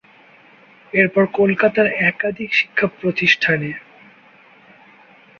এরপর কলকাতার একাধিক শিক্ষা প্রতিষ্ঠানে।